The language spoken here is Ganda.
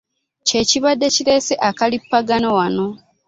Kye kibadde kireese akalippagano wano.